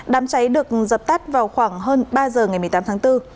đám cháy được dập tắt vào khoảng hơn ba giờ ngày một mươi tám tháng bốn